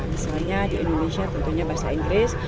misalnya di indonesia tentunya bahasa inggris